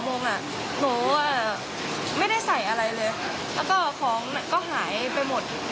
หนูอ่ะไม่ได้ใส่อะไรเลยแล้วก็ของก็หายไปหมด